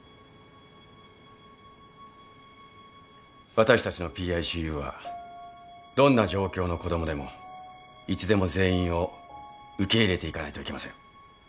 私たちのＰＩＣＵはどんな状況の子供でもいつでも全員を受け入れていかないといけません。